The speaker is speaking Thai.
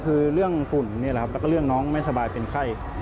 คือเรื่องฝุ่นนี่แหละครับแล้วก็เรื่องน้องไม่สบายเป็นไข้